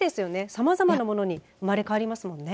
さまざまなものに生まれ変わりますもんね。